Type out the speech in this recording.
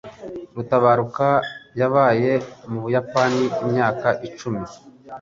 Rutabaruka yabaye mu Buyapani imyaka icumi.